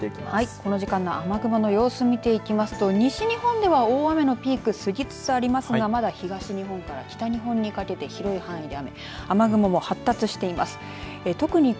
この時間の雨雲の様子を見ていきますと西日本では大雨のピーク過ぎつつありますがまだ東日本から北日本にかけて広い範囲で雨。